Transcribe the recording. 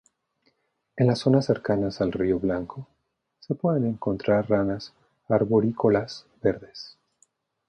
En las zonas cercanas al Río Blanco se pueden encontrar ranas arborícolas verdes.